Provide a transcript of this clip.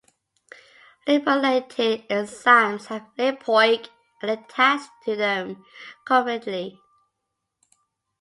Lipoylated enzymes have lipoic acid attached to them covalently.